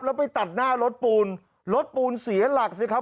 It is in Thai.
แล้วไปตัดหน้ารถปูนรถปูนเสียหลักสิครับ